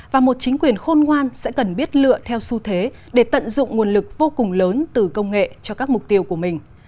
và một chính quyền khôn ngoan sẽ cần biết lựa theo xu thế để tận dụng nguồn lực vô cùng lớn từ công nghệ cho các mục tiêu của mình